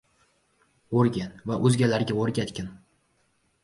— O‘rgan va o‘zgalarga o‘rgatgin.